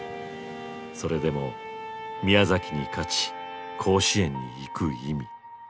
それでも宮崎に勝ち甲子園に行く意味。